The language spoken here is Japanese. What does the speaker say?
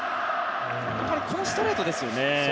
やはり、このストレートですね。